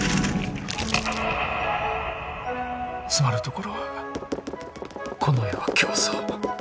詰まるところはこの世は競争。